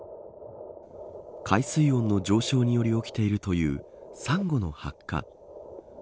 海水温の上昇により起きているというサンゴの白化。